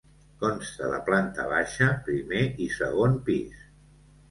Consta de planta baixa, primer i segon pis.